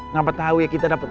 ngapain tau ya kita dapet